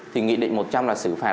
thì nghị định một trăm linh là xử phạt